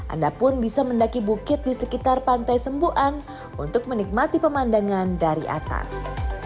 anda pun bisa mendaki bukit di sekitar pantai sembuan untuk menikmati pemandangan dari atas